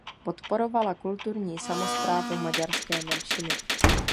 Podporovala kulturní samosprávu maďarské menšiny.